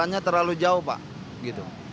tapi itu juga terlalu jauh pak